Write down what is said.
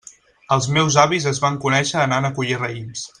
Els meus avis es van conèixer anant a collir raïms.